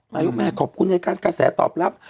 นายกแม่ขอบคุณในการกระแสตอบรับ